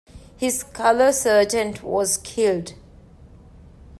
His color sergeant was killed.